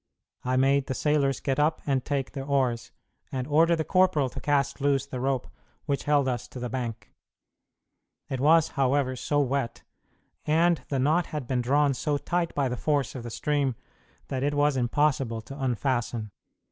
I made the sailors get up and take their oars, and ordered the corporal to cast loose the rope which held us to the bank. It was, however, so wet, and the knot had been drawn so tight by the force of the stream, that it was impossible to unfasten.